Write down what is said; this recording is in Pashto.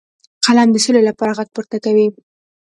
قلم د سولې لپاره غږ پورته کوي